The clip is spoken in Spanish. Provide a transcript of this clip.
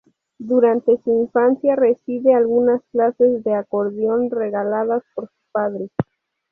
Durante su infancia recibe algunas clases de acordeón regaladas por su padre.